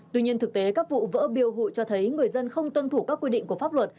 tuy nhiên thực tế các vụ vỡ biêu hụi cho thấy người dân không tuân thủ các quy định của pháp luật